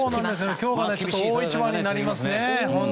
今日は大一番になりますね。